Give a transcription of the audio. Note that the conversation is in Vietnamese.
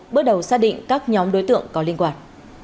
bước đầu xác định các nhóm đối tượng có liên quan